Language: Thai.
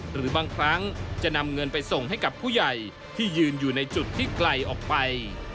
หรือบางครั้งจะนำเงินไปส่งให้กับผู้ใหญ่ที่ยืนอยู่ในจุดที่ไกลออกไป